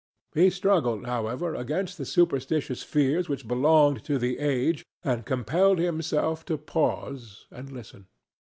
He struggled, however, against the superstitious fears which belonged to the age, and compelled himself to pause and listen.